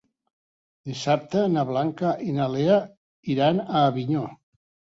Dissabte na Blanca i na Lea iran a Avinyó.